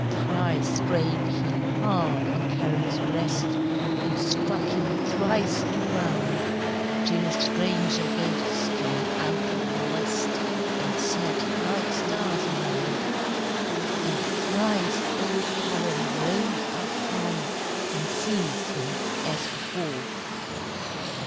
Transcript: Thrice drave he hard on Charon's breast, And struck him thrice to ground, Till stranger ghosts came out o' the west And sat like stars around. And thrice old Charon rose up high And seized him as before.